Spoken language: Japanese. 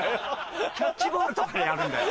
キャッチボールとかでやるんだよ。